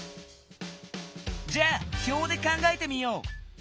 じゃあ表で考えてみよう！